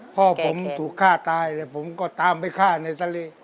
พ่อผมถูกฆ่าตายเลยผมก็ตามไปฆ่าในสลิ